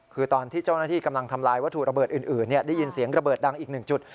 คือตอนที่เจ้าหน้าที่กำลังทำลายวัตถุระเบิดอื่นได้ยินเสียงระเบิดดังอีกหนึ่งจุด